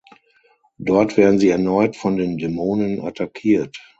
Dort werden sie erneut von den Dämonen attackiert.